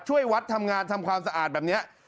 ช่วยวัดทำงานทำความสะอาดแบบนี้